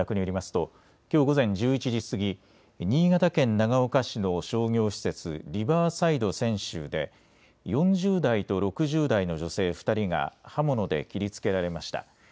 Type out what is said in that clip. ときょう午前１１時過ぎ、新潟県長岡市の商業施設、リバーサイド千秋で４０代と６０代の女性２人が刃物で切りつけられました。